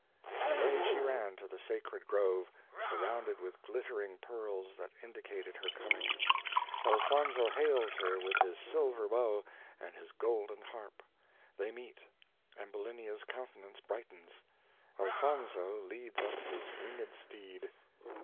And away she ran to the sacred grove, surrounded with glittering pearls, that indicated her coming. Elfonzo hails her with his silver bow and his golden harp. They meet Ambulinia's countenance brightens Elfonzo leads up his winged steed.